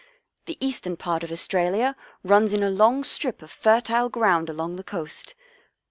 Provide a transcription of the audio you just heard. The eastern part of Australia runs in a long strip of fertile ground along the coast.